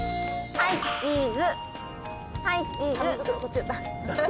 はいチーズ。